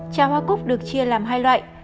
trà hoa cúc được chia làm hai loại